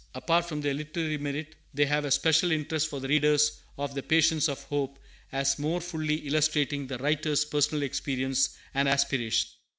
Apart from their literary merit, they have a special interest for the readers of The Patience of Hope, as more fully illustrating the writer's personal experience and aspirations.